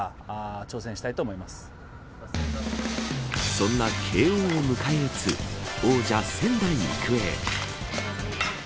そんな慶応を迎え撃つ王者、仙台育英。